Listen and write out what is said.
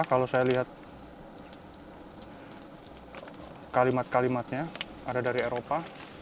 kalau saya lihat kalimat kalimatnya ada dari eropa